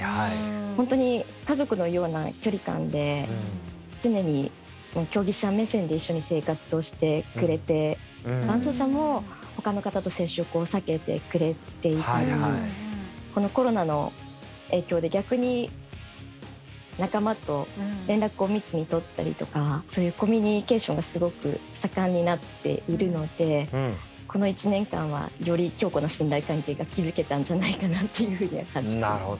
本当に家族のような距離感で常に競技者目線で一緒に生活をしてくれて伴走者もほかの方と接触を避けてくれていたりこのコロナの影響で逆に仲間と連絡を密に取ったりとかそういうコミュニケーションがすごく盛んになっているのでこの１年間はより強固な信頼関係が築けたんじゃないかなっていうふうには感じています。